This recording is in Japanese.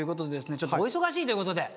ちょっとお忙しいということで。